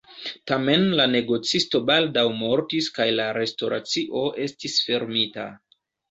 Tamen la negocisto baldaŭ mortis kaj la restoracio estis fermita.